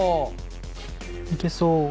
いけそう。